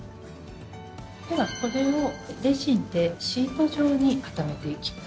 ではこれをレジンでシート状に固めていきます。